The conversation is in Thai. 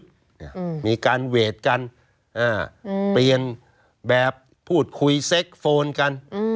มีการเวทกันอ่าอืมเปลี่ยนแบบพูดคุยเซ็กโฟนกันอืม